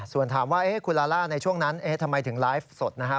ส่วนถามว่าคุณลาล่าในช่วงนั้นทำไมถึงไลฟ์สดนะครับ